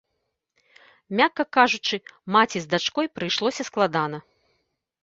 Мякка кажучы, маці з дачкой прыйшлося складана.